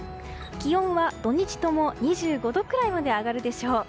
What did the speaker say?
気温は土日とも２５度くらいまで上がるでしょう。